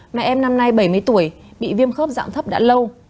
mẹ em năm nay bảy mươi tuổi bị viêm khớp dạng thấp đã lâu